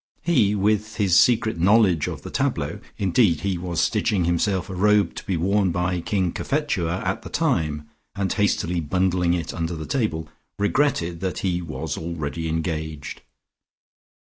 He with secret knowledge of the tableaux (indeed he was stitching himself a robe to be worn by King Cophetua at the time and hastily bundling it under the table) regretted that he was already engaged.